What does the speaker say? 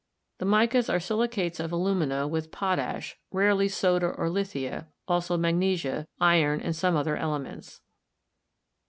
The micas are silicates of alumina with potash, rarely soda or lithia, also magnesia, iron and some other elements.